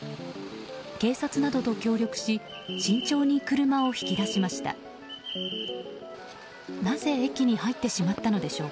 警察などと協力し慎重に車を引き出しました。